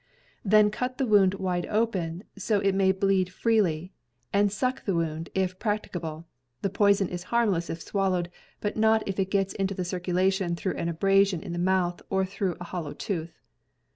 Then cut the wound wide open, so it may bleed freely, and suck the wound, if practi cable (the poison is harmless, if swallowed, but not if it gets into the circulation through an abrasion in the mouth, or through a hollow tooth).